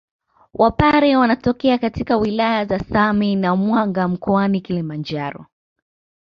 Wapare wanatokea katika wilaya za Same na Mwanga mkoani Kilimanjaro